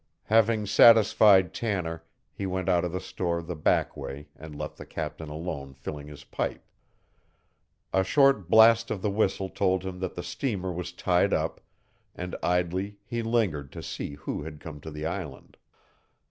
Having satisfied Tanner, he went out of the store the back way and left the captain alone filling his pipe. A short blast of the whistle told him that the steamer was tied up, and idly he lingered to see who had come to the island.